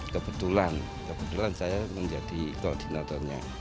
kebetulan kebetulan saya menjadi koordinatornya